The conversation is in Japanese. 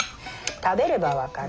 食べれば分かる。